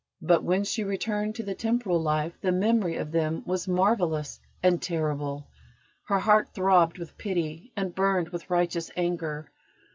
But when she returned to the temporal life the memory of them was marvellous and terrible. Her heart throbbed with pity and burned with righteous anger.